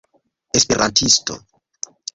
esperantisto